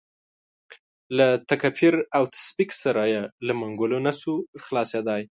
له تکفیر او تفسیق سره یې له منګولو نه شو خلاصېدای.